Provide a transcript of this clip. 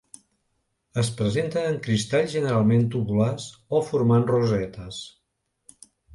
Es presenta en cristalls generalment tabulars o formant rosetes.